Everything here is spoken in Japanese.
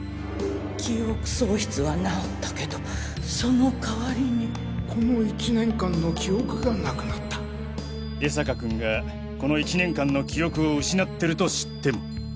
記憶喪失は治ったけどその代わりにこの１年間の記憶がなくなった江坂君がこの１年間の記憶を失ってると知っても。